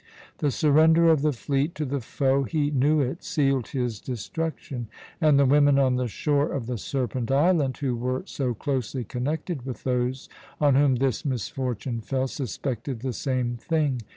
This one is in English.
The surrender of the fleet to the foe he knew it sealed his destruction; and the women on the shore of the Serpent Island, who were so closely connected with those on whom this misfortune fell, suspected the same thing.